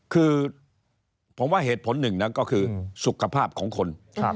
คือผมว่าเหตุผลหนึ่งนะก็คือสุขภาพของคน